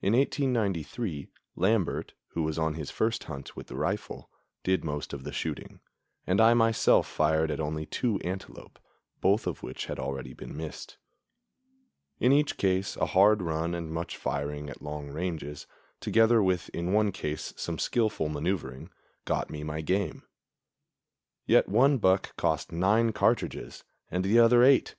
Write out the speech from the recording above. In 1893, Lambert, who was on his first hunt with the rifle, did most of the shooting, and I myself fired at only two antelope, both of which had already been missed. In each case a hard run and much firing at long ranges, together with in one case some skillful maneuvering, got me my game; yet one buck cost nine cartridges and the other eight.